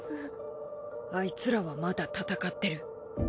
アイツらはまだ戦ってる。